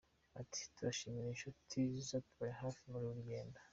Ati “Turashimira inshuti zatubaye hafi muri uru rugendo.